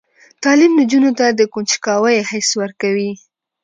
تعلیم نجونو ته د کنجکاوۍ حس ورکوي.